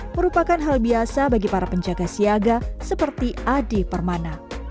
merupakan hal biasa bagi para penjaga siaga seperti adi permana